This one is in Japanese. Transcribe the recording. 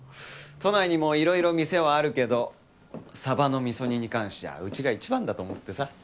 都内にもいろいろ店はあるけどサバの味噌煮に関してはうちが一番だと思ってさ。